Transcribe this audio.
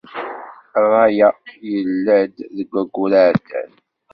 Rray-a, yella-d deg wayur iεeddan.